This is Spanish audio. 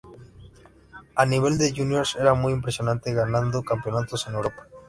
A nivel de juniors era muy impresionante, ganando campeonatos en Europa.